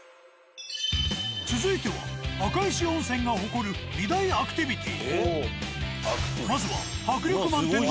続いては赤石温泉が誇る２大アクティビティ。